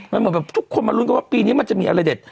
มันแบบทุกคนมารู้กับว่าปีนี้มันจะมีอะไรเด็ด